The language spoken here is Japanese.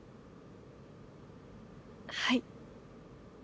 はい。